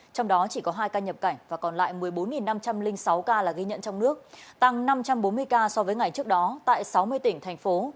trong đó chỉ có hai ca nhập cảnh và còn lại một mươi bốn năm trăm linh sáu ca là ghi nhận trong nước tăng năm trăm bốn mươi ca so với ngày trước đó tại sáu mươi tỉnh thành phố